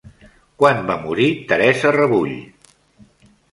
Quan va morir Teresa Rebull?